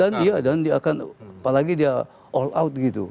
dan iya dan dia akan apalagi dia all out gitu